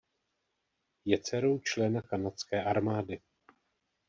Je dcerou člena kanadské armády.